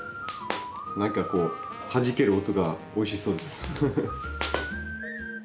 なんかこうはじける音がおいしそうです。